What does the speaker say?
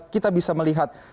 kita bisa melihat